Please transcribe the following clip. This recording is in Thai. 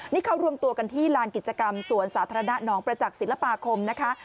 นี่เขารวมตัวกันที่ลานกิจกรรมสวนสาธารณะหนองประจักษ์ศิลปาคมนะคะ